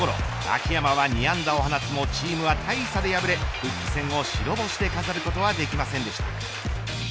秋山は２安打を放つもチームは大差で敗れ初戦を白星で飾ることはできませんでした。